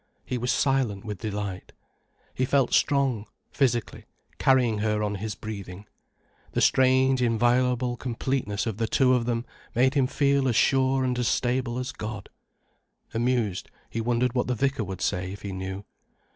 He was silent with delight. He felt strong, physically, carrying her on his breathing. The strange, inviolable completeness of the two of them made him feel as sure and as stable as God. Amused, he wondered what the vicar would say if he knew.